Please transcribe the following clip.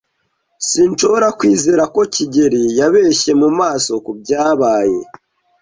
Sinshobora kwizera ko kigeli yabeshye mu maso ku byabaye.